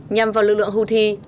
nhằm vào lực lượng houthi